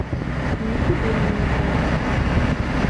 Нікуды мне не трэба.